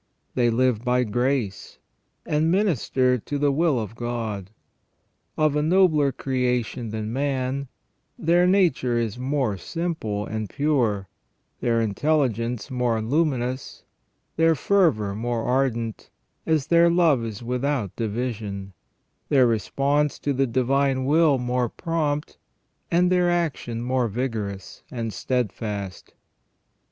They live by grace, and minister to the will of God. Of a nobler creation than man, their nature is more simple and pure, their intelligence more luminous, their fervour more ardent, as their love is without division, their response to the Divine Will more prompt, and their action more vigorous and steadfast.